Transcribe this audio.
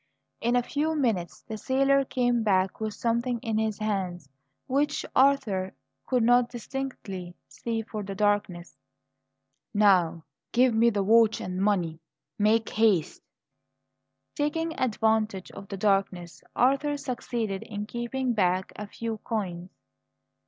In a few minutes the sailor came back with something in his hands which Arthur could not distinctly see for the darkness. "Now, give me the watch and money. Make haste!" Taking advantage of the darkness, Arthur succeeded in keeping back a few coins.